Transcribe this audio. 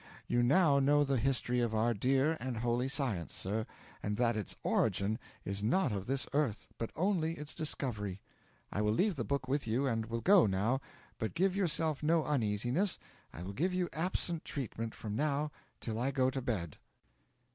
You now know the history of our dear and holy Science, sir, and that its origin is not of this earth, but only its discovery. I will leave the book with you and will go, now, but give yourself no uneasiness I will give you absent treatment from now till I go to bed.'